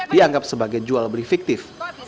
dianggap sebagai jual beli fiktif